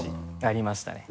ありましたね。